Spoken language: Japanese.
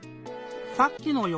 さっきのよ